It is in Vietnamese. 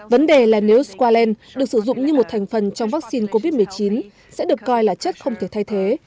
vấn đề là nếu squalene được sử dụng như một thành phần trong vaccine covid một mươi chín sẽ được coi là chất không thể thay thế